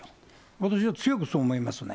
私は強くそう思いますね。